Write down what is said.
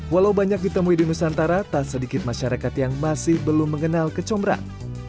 walau banyak ditemui di nusantara tak sedikit masyarakat yang masih belum mengenal kecombrang